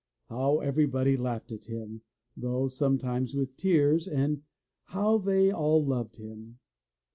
How everybody laughed at him, though sometimes with tears, and how they all loved him.